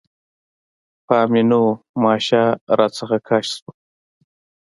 پام مې نه و، ماشه رانه کش شوه.